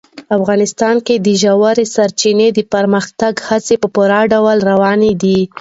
افغانستان کې د ژورې سرچینې د پرمختګ هڅې په پوره ډول روانې دي.